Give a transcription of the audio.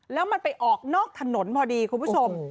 แล้วมันไปออกนอกถนนพอดีคุณผู้ชม